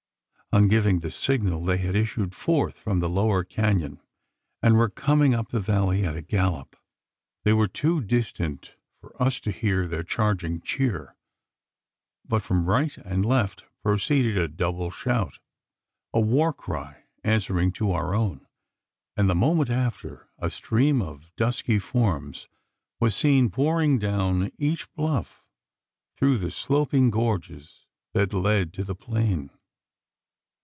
On giving the signal they had issued forth from the lower canon, and were coming up the valley at a gallop. They were too distant for us to heat their charging cheer; but from right and left proceeded a double shout a war cry answering to our own; and, the moment after, a stream of dusky forms was seen pouring down each bluff, through the sloping gorges that led to the plain.